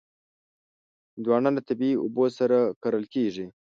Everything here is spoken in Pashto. هندوانه له طبعي اوبو سره کرل کېږي.